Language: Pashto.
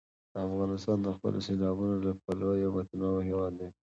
افغانستان د خپلو سیلابونو له پلوه یو متنوع هېواد دی.